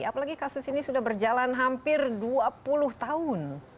apalagi kasus ini sudah berjalan hampir dua puluh tahun